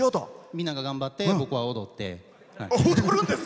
みんなが頑張って僕は踊って。